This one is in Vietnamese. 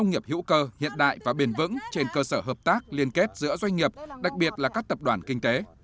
nông nghiệp việt nam được phát triển nền nông nghiệp hữu cơ hiện đại và bền vững trên cơ sở hợp tác liên kết giữa doanh nghiệp đặc biệt là các tập đoàn kinh tế